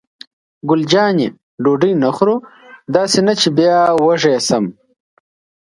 ګل جانې: ډوډۍ نه خورو؟ داسې نه چې بیا وږې شم.